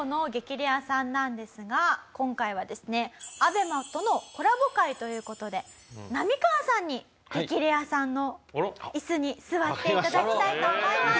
レアさんなんですが今回はですねＡＢＥＭＡとのコラボ回という事で浪川さんに激レアさんの椅子に座っていただきたいと思います。